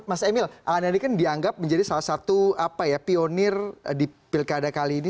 mas emil anda ini kan dianggap menjadi salah satu pionir di pilkada kali ini